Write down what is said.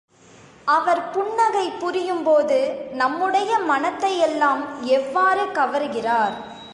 அவர் புன்னகை புரியும் போது நம்முடைய மனத்தையெல்லாம் எவ்வாறு கவருகிறார்!